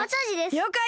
りょうかい！